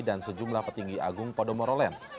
dan sejumlah petinggi agung podomoro land